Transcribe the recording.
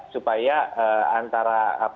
supaya antara upaya mengelola bis